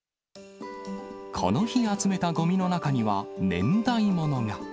この日集めたごみの中には、年代物が。